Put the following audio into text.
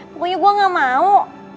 pokoknya gue ga mau